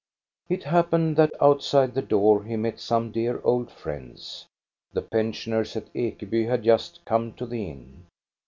It happened that outside the door he met some dear old friends. The pensioners at Ekeby had just come to the inn.